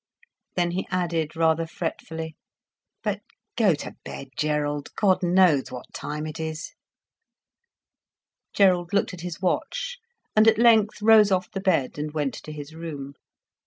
Then he added, rather fretfully, "But go to bed, Gerald. God knows what time it is." Gerald looked at his watch, and at length rose off the bed, and went to his room.